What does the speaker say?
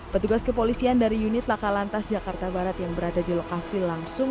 petugas kepolisian dari unit laka lantas jakarta barat yang berada di lokasi langsung